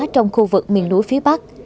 trong khu vực miền núi phía bắc